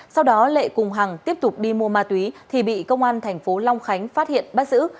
sau đó lệ cùng hằng tiếp tục đi mua ma túy thì bị công an thành phố long khánh phát hiện bắt giữ